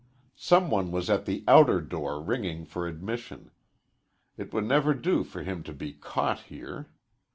Some one was at the outer door ringing for admission. It would never do for him to be caught here.